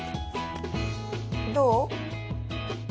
どう？